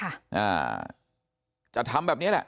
อ่าจะทำแบบเนี้ยแหละ